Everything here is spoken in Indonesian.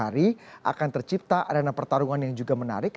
hari akan tercipta arena pertarungan yang juga menarik